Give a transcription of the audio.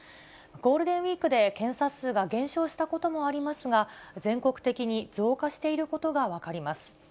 ゴールデンウィークで検査数が減少したこともありますが、全国的に増加していることが分かります。